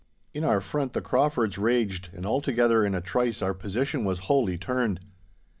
In our front the Craufords raged, and altogether in a trice our position was wholly turned.